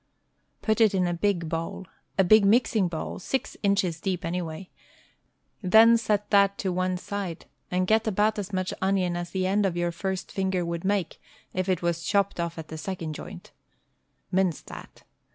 Put it in a big bowl — a big mixing bowl, six inches deep anyway. Then set that to one side, and get about as much onion as the end of your first finger would make, if it was chopped off at the second joint. Mince that.